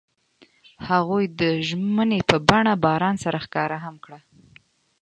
هغوی د ژمنې په بڼه باران سره ښکاره هم کړه.